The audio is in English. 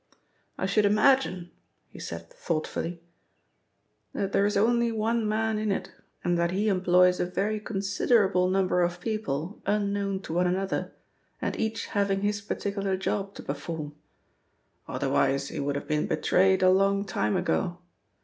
I should imagine," he said thoughtfully, "that there is only one man in it, and that he employs a very considerable number of people unknown to one another and each having his particular job to perform. Otherwise he would have been betrayed a long time ago.